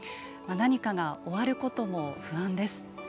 何かが終わることも不安です。